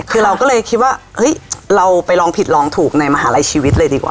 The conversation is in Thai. คือเราก็เลยคิดว่าเฮ้ยเราไปลองผิดลองถูกในมหาลัยชีวิตเลยดีกว่า